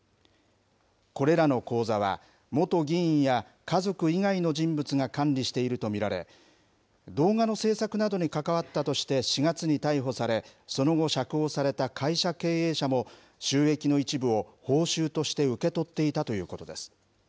これらの口座は、元議員や家族以外の人物が管理していると見られ、動画の制作などに関わったとして４月に逮捕され、その後、釈放された会社経営者も、収益の一部を報酬として受け取っていたということです。